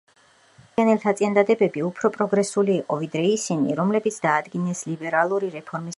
ფაბიანელთა წინადადებები უფრო პროგრესული იყო, ვიდრე ისინი, რომლებიც დაადგინეს ლიბერალური რეფორმის კანონმდებლობაში.